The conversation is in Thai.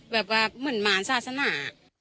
แบบว่าเหมือนมารศาสนา